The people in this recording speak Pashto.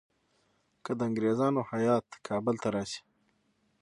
که د انګریزانو هیات کابل ته راشي.